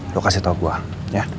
lo kasih tau gue